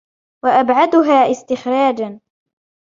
وَأَبْعَدُهَا اسْتِخْرَاجًا